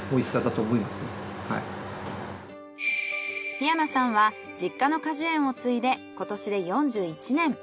檜山さんは実家の果樹園を継いで今年で４１年。